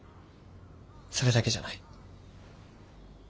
それだけじゃない。